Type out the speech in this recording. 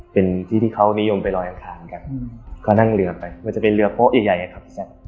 เป็นที่ที่เขานิยมไปลอยอังคารกันก็นั่งเรือไปมันจะเป็นเรือโป๊ะใหญ่ใหญ่อะครับพี่แจ๊ค